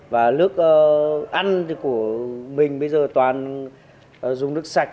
và nước ăn của mình bây giờ toàn dùng nước sạch